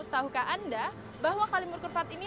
tahukah anda bahwa kalimur kurvard ini